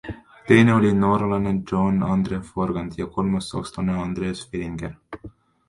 Teine oli norralane Johann Andre Forfang ja kolmas sakslane Andreas Wellinger.